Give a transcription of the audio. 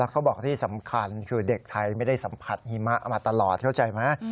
เขาบอกที่สำคัญคือเด็กไทยไม่ได้สัมผัสหิมะมาตลอดเข้าใจไหม